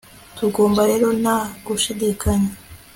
tugomba rero, nta gushidikanya